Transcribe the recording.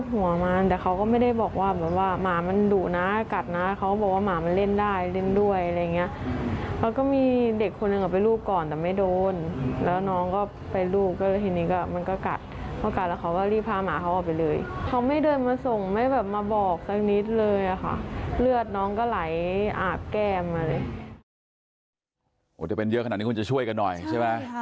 โอ้โหเป็นเยอะขนาดนี้คุณจะช่วยกันหน่อยใช่ไหม